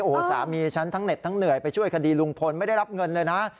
โอ้โหสามีฉันทั้งเห็ดทั้งเหนื่อยไปช่วยคดีลุงพลไม่ได้รับเงินเลยนะ